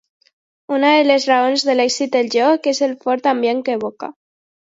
Una de les raons de l'èxit del joc és el fort ambient que evoca.